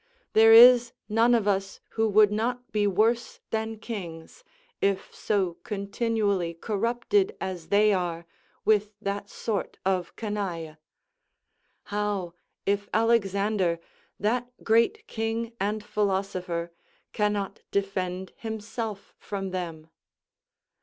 There is none of us who would not be worse than kings, if so continually corrupted as they are with that sort of canaille. How, if Alexander, that great king and philosopher, cannot defend himself from them!